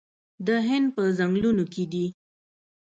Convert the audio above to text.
د هند په ځنګلونو کې دي